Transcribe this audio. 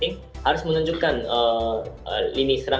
saya juga menarik dari thailand